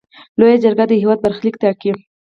لویه جرګه د هیواد برخلیک ټاکي.